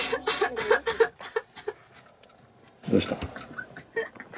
どうした？